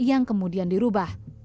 menjadi pasal yang berbeda